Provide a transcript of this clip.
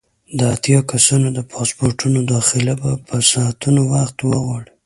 د اتیا کسانو د پاسپورټونو داخله به ساعتونه وخت وغواړي.